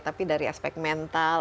tapi dari aspek mental